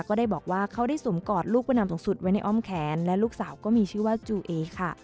ก็ได้บอกว่าเขาได้สวมกอดลูกประนามสูงสุดไว้ในอ้อมแขนและลูกสาวก็มีชื่อว่าจูเอค่ะ